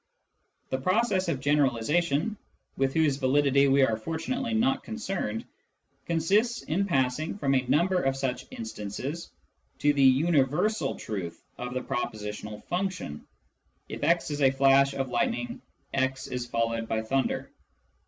The process of generalisation (with whose validity we are fortun Propositional Functions 157 ately not concerned) consists in passing from a number of such instances to the universal truth of the propositional function :" If x is a flash of lightning, x is followed by thunder."